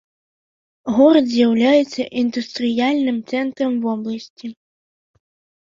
Горад з'яўляецца індустрыяльным цэнтрам вобласці.